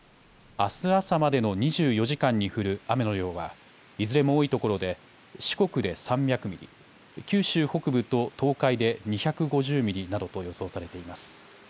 あす朝までの２４時間に降る雨の量はいずれも多いところで四国で３００ミリ、九州北部と東海で２５０ミリなどと予想されています。